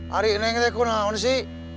hari ini neng udah kemarin sih